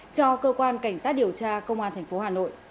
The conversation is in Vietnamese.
cho cơ quan cảnh sát điều tra công an tp hcm